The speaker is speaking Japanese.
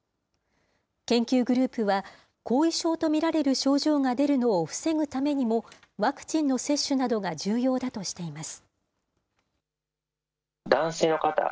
研究グループは、後遺症と見られる症状が出るのを防ぐためにも、ワクチンの接種などが重要だとしています。